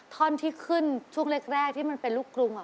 ท่อนที่ขึ้นช่วงแรกที่มันเป็นลูกกรุง